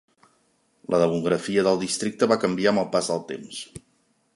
La demografia del districte va canviar amb el pas el temps.